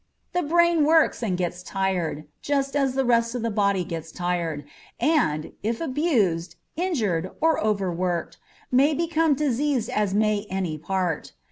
The brain works and gets tired, just as the rest of the body gets tired, and, if abused, injured, or overworked, may become diseased as may any part.